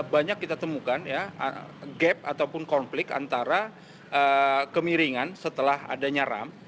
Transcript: banyak kita temukan ya gap ataupun konflik antara kemiringan setelah adanya ram